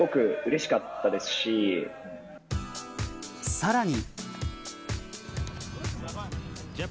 さらに。